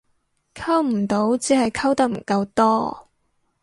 溝唔到只係溝得唔夠多